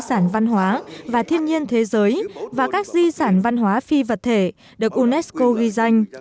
di sản văn hóa và thiên nhiên thế giới và các di sản văn hóa phi vật thể được unesco ghi danh